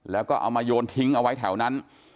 แล้วก็เอามาโยนทิ้งเอาไว้แถวนั้น